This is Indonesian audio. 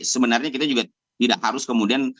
sebenarnya kita juga tidak harus kemudian